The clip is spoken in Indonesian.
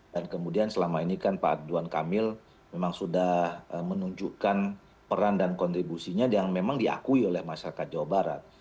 dan kemudian selama ini kan pak aduan kamil memang sudah menunjukkan peran dan kontribusinya yang memang diakui oleh masyarakat jawa barat